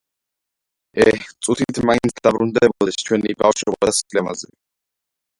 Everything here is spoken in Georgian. ეჰ წუთით მაინც დაბრუნდებოდეს ჩვენი ბავშვობა და სილამაზე